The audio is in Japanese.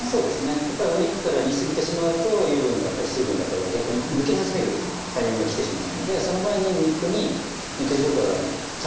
やっぱりお肉から煮すぎてしまうと油分だったり水分だったりが逆に抜け始めるタイミングが来てしまうのでその前に肉に肉汁とかがちゃんと中に入ってる状態。